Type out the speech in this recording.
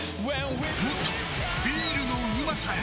もっとビールのうまさへ！